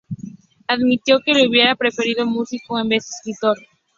Admitió que le hubiera preferido músico en vez de escritor.